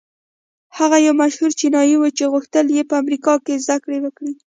هغه يو مشهور چينايي و چې غوښتل يې په امريکا کې زدهکړې وکړي.